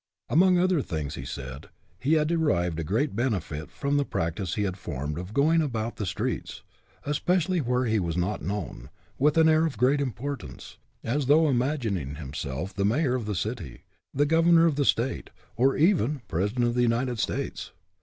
Among other things, he said he had derived great benefit from the practice he had formed of going about the HE CAN WHO THINKS HE CAN n streets, especially where he was not known, with an air of great importance, as though im agining himself the mayor of the city, the gov ernor of the state, or even the President of the United States.